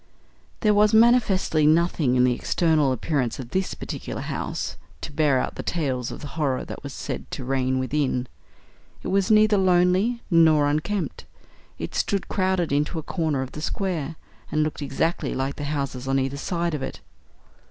There was manifestly nothing in the external appearance of this particular house to bear out the tales of the horror that was said to reign within. It was neither lonely nor unkempt. It stood, crowded into a corner of the square, and looked exactly like the houses on either side of it.